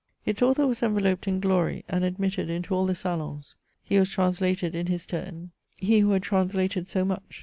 Its author was enveloped in glory, and admitted into all the salons. He was translated in his turn — ^he who had translated so much.